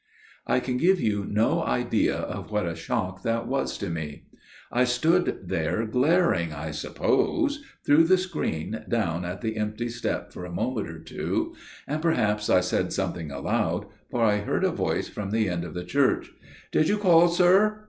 "I can give you no idea of what a shock that was to me. I stood there glaring, I suppose, through the screen down at the empty step for a moment or two, and perhaps I said something aloud, for I heard a voice from the end of the church. "'Did you call, sir?